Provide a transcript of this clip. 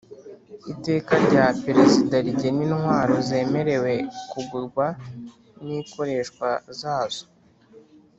Iteka rya Perezida rigena intwaro zemerewe kugurwa nikoreshwa zazo